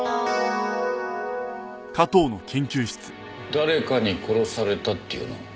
誰かに殺されたって言うの？